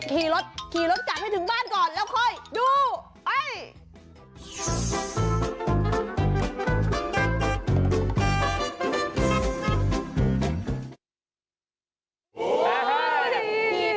ขี่รถกลับให้ถึงบ้านก่อนแล้วคอยดู